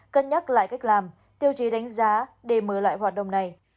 cân nhắc lại cách làm tiêu chí đánh giá để mở lại hoạt động này